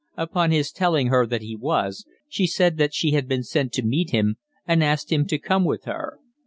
Upon his telling her that he was, she said that she had been sent to meet him, and asked him to come with her.